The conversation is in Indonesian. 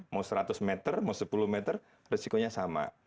mau seratus meter mau sepuluh meter resikonya sama